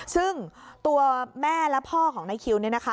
ซึ่งตัวแม่และพ่อของนายคิวเนี่ยนะคะ